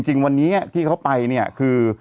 จริงวันนี้ที่เข้าไปคือ